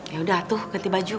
yaudah tuh ganti baju